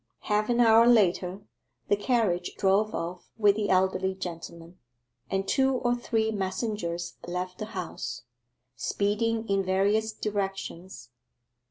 Half an hour later, the carriage drove off with the elderly gentleman, and two or three messengers left the house, speeding in various directions.